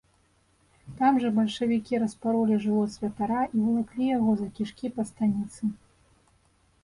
Там жа бальшавікі распаролі жывот святара і валаклі яго за кішкі па станіцы.